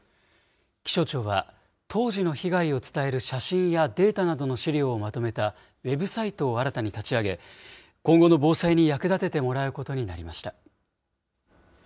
気象庁は、当時の被害を伝える写真やデータなどの資料をまとめたウェブサイトを新たに立ち上げ、今後の防災に役立ててもらうことになりました。